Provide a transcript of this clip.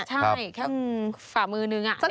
ใช่แค่ฝ่ามือหนึ่งเล็กต่อ